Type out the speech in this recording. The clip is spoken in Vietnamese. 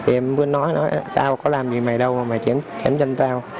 em mới nói nói tao có làm gì mày đâu mà mày chém chân tao